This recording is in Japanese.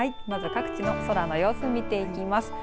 まず各地の空の様子、見ていきます。